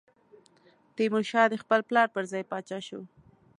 تیمورشاه د خپل پلار پر ځای پاچا شو.